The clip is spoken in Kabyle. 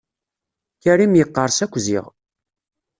Karim yeqqers akk ziɣ.